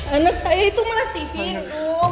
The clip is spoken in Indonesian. anak saya itu masih hidup